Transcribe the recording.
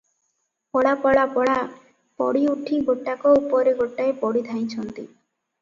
ପଳା- ପଳା- ପଳା! ପଡ଼ି ଉଠି ଗୋଟାକ ଉପରେ ଗୋଟାଏ ପଡ଼ି ଧାଇଁଛନ୍ତି ।